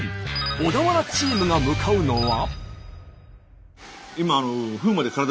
小田原チームが向かうのは。